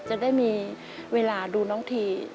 จะได้มีเวลาดูน้องที